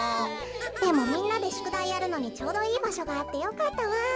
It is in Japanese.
でもみんなでしゅくだいやるのにちょうどいいばしょがあってよかったわ。